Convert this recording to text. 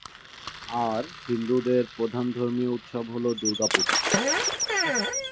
আর, হিন্দুদের প্রধান ধর্মীয় উৎসব হলো দুর্গাপূজা।